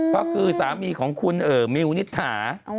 เพราะคือสามีของคุณมิวนิทหา